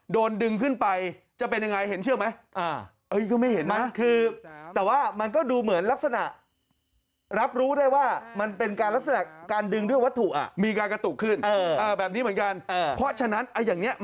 โดนดึงขึ้นไปจะเป็นยังไงเห็นเชื่อไหม